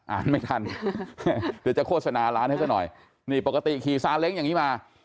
ไม่ทันเดี๋ยวจะโฆษณาร้านให้ซะหน่อยนี่ปกติขี่ซาเล้งอย่างนี้มา